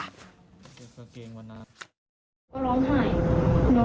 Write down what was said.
อีกหนูก็เลยบอกว่าพี่อยากทำอะไรก็ได้หนูบอกแล้วแต่ยังมาแตกต้นตัวหนู